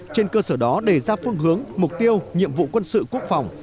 trên cơ sở đó đề ra phương hướng mục tiêu nhiệm vụ quân sự quốc phòng